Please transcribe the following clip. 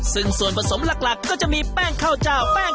ซึ่งคุณนัทขอเกี่ยวไว้เป็นความลับนั่นเองแหละครับ